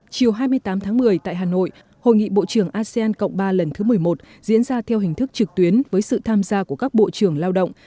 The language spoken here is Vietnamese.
chiều hai mươi tám tháng một mươi tại hà nội hội nghị bộ trưởng asean cộng ba lần thứ một mươi một diễn ra theo hình thức trực tuyến với sự tham gia của các bộ trưởng lao động